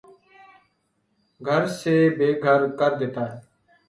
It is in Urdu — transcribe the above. گھر سے بے گھر کر دیتا ہے